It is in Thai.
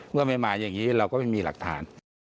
เมื่อไม่มาอย่างนี้เราก็ไม่มีหลักฐาน